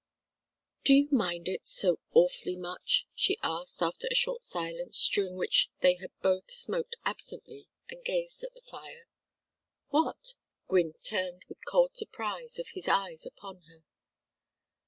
"Do you mind it so awfully much?" she asked, after a short silence during which they had both smoked absently and gazed at the fire. "What?" Gwynne turned the cold surprise of his eyes upon her.